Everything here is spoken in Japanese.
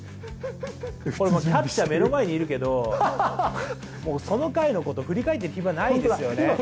これキャッチャー目の前にいるけど、もうその回のこと、振り返ってる暇ないですよね。